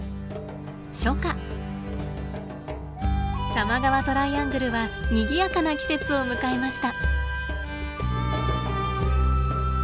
多摩川トライアングルはにぎやかな季節を迎えました。